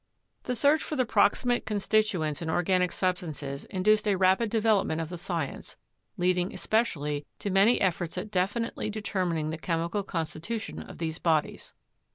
The search for the proximate constituents in organic substances induced a rapid development of the science, leading especially to many efforts at definitely determining the chemical constitution of these bodies.